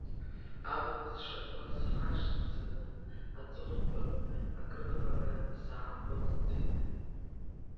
Амла сшакуаз схашҭӡаны, аҵыхәтәан акрыфара сааҟәыҵӡеит.